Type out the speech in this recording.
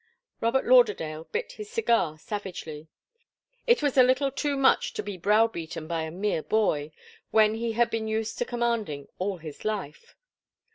Robert Lauderdale bit his cigar savagely. It was a little too much to be browbeaten by a mere boy, when he had been used to commanding all his life.